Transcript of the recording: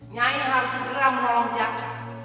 nyai harus segera menolong jaka